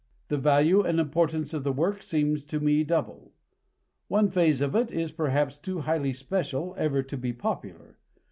The value and importance of the work seems to me double. One phase of it is perhaps too highly special ever to be popular.